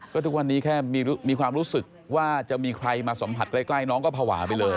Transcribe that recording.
ก็ทุกวันนี้แค่มีความรู้สึกว่าจะมีใครมาสัมผัสใกล้น้องก็ภาวะไปเลย